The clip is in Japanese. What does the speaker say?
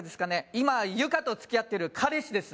今ユカと付き合ってる彼氏です